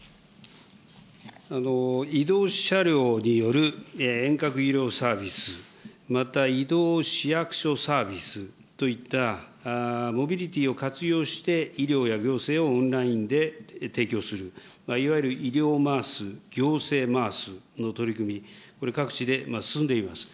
移動車両による遠隔医療サービス、また移動市役所サービスといったモビリティを活用して医療や行政をオンラインで提供する、いわゆる医療ＭａａＳ、行政ＭａａＳの取り組み、これ、各地で進んでいます。